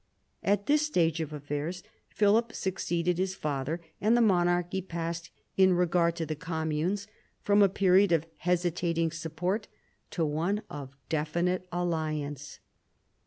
At this stage of affairs Philip succeeded his father, and the monarchy passed, in regard to the communes, from a period of hesitating support to one of definite alliance.